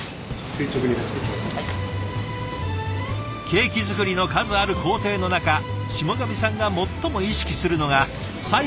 ケーキ作りの数ある工程の中霜上さんが最も意識するのが最後の仕上げ。